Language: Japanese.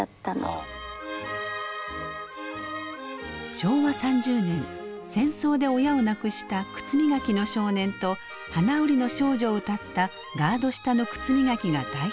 昭和３０年戦争で親を亡くした靴磨きの少年と花売りの少女を歌った「ガード下の靴みがき」が大ヒット。